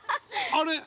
◆あれ？